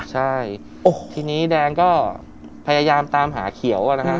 ใช่ทีนี้แดงก็พยายามตามหาเขียวนะฮะ